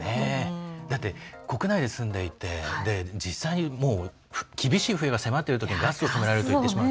国内に住んでいて実際に厳しい冬が迫っているときにガスを止めるといわれてしまう。